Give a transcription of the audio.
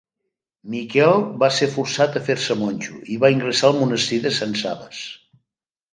Miquel va ser forçat a fer-se monjo i va ingressar al monestir de Sant Sabas.